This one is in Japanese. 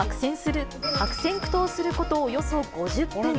悪戦苦闘することおよそ５０分。